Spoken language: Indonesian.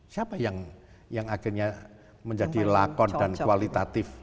siapa yang akhirnya menjadi lakon dan kualitatif